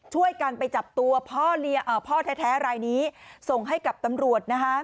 ช่วยกันไปจับตัวพ่อแท้รายนี้ส่งให้กับตำรวจนะคะ